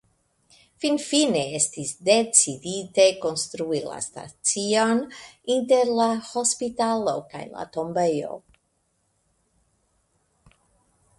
Finfine estis decidite konstrui la stacion inter la hospitalo kaj la tombejo.